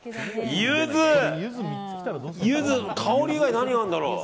ユズ香り以外に何があるんだろう。